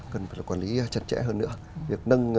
cần phải quản lý chặt chẽ hơn nữa việc nâng